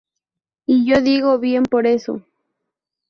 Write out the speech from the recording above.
Y yo digo bien por eso.